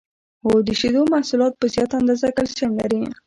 هو د شیدو محصولات په زیاته اندازه کلسیم لري